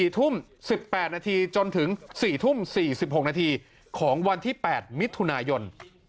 ๔ทุ่ม๑๘นาทีจนถึง๔ทุ่ม๔๖นาทีของวันที่๘มิถุนายน